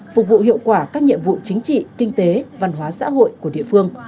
phục vụ hiệu quả các nhiệm vụ chính trị kinh tế văn hóa xã hội của địa phương